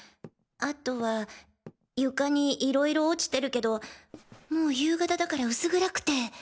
あとは床に色々落ちてるけどもう夕方だから薄暗くて。